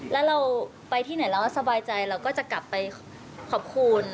แล้วเราไปที่ไหนแล้วสบายใจเราก็จะกลับไปขอบคุณ